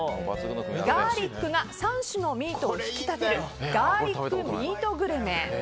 ガーリックが３種のミートを引き立てるガーリックミートグルメ。